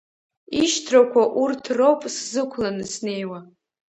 Ишьҭрақәа урҭ роуп сзықәланы снеиуа.